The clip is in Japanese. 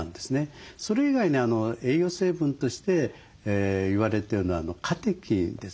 それ以外に栄養成分として言われてるのはカテキンですね。